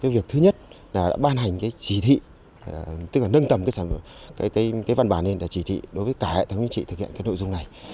việc thứ nhất là đã ban hành chỉ thị tức là nâng tầm văn bản lên để chỉ thị đối với cả hệ thống chính trị thực hiện nội dung này